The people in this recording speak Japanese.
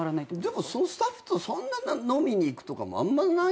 でもそのスタッフと飲みに行くとかもあんまないし。